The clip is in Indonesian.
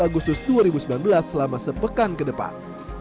agustus dua ribu sembilan belas selama sepekan ke depan